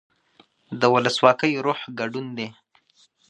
د ولسواکۍ روح ګډون دی